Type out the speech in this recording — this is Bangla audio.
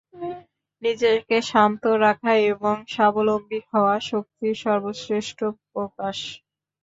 নিজেকে শান্ত রাখা এবং স্বাবলম্বী হওয়া শক্তির সর্বশ্রেষ্ঠ প্রকাশ।